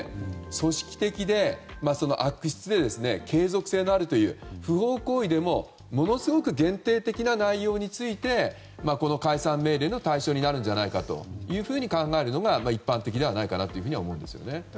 組織的で、悪質で継続性のあるという不法行為でもものすごく限定的な内容についてこの解散命令の対象になるんじゃないかなと考えるのが一般的ではないかなと思うんですね。